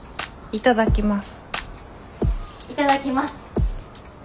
いただきます。